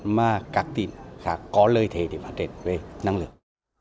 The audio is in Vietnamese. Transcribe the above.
mà các tỉnh khác có lợi thế để phát triển về năng lượng